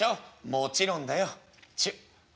「もちろんだよ。チュッ」。